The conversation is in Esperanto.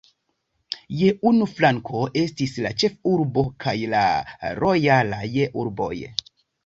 Je unu flanko estis la ĉefurbo kaj la lojalaj urboj.